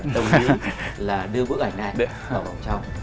đồng ý là đưa bức ảnh này vào vòng trong